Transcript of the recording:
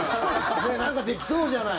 なんかできそうじゃない。